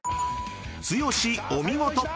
［剛お見事！］